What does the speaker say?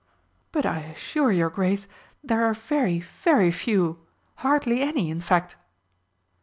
"But I assure your Grace there are very very few hardly any, in fact!"